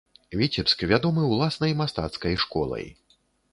Віцебск вядомы ўласнай мастацкай школай.